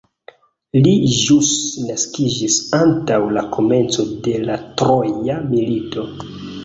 Li ĵus naskiĝis antaŭ la komenco de la troja milito.